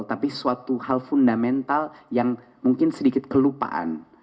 tapi suatu hal fundamental yang mungkin sedikit kelupaan